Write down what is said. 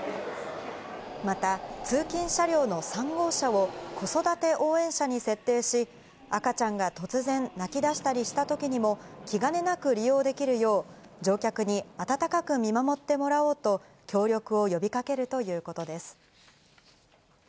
また通勤車両の３号車を子育て応援車に設定し、赤ちゃんが突然泣きだしたりしたときでも気兼ねなく利用できるよう、乗客に温かく見守ってもらおうと、協力を呼びかけるということです。